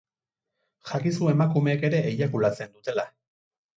Jakizu emakumeek ere eiakulatzen dutela.